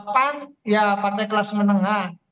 pan ya partai kelas menengah